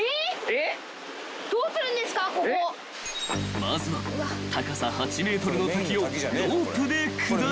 ［まずは高さ８ｍの滝をロープで下る］